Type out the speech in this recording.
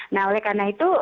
nah oleh karena itu